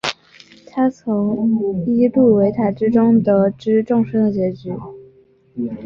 他从伊露维塔之中得知众生的结局。